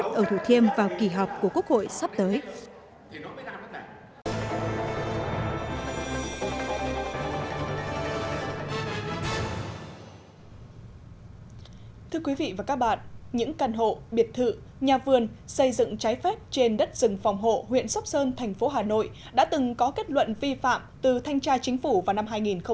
thưa quý vị và các bạn những căn hộ biệt thự nhà vườn xây dựng trái phép trên đất rừng phòng hộ huyện sóc sơn thành phố hà nội đã từng có kết luận vi phạm từ thanh tra chính phủ vào năm hai nghìn sáu